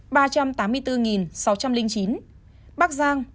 bắc giang ba trăm tám mươi ba hai trăm ba mươi chín